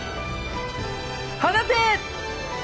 放て！